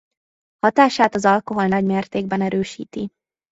Hatását az alkohol nagymértékben erősíti.